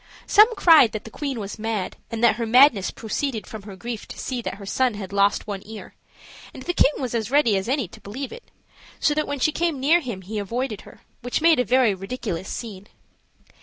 Some cried that the queen was mad, and that her madness proceeded from her grief to see that her son had lost one ear; and the king was as ready as any to believe it, so that when she came near him he avoided her, which made a very ridiculous scene.